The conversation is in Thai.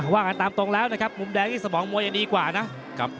ว่ากันตามตรงแล้วนะครับมุมแดงนี่สมองมวยจะดีกว่านะ